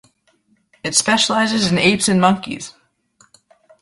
It specializes in apes and monkeys.